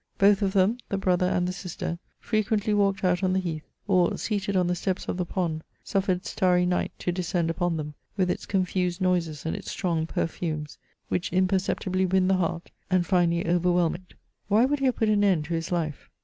Both of them — the brother and the sister — frequently walked out on the heath, or, seated on the steps of the pond, suffered starry night to descend upon them, with its conAised noises and its strong perfumes, which imperceptibly win the heart, and finally overwhehn it. Why would he have put an end to his life?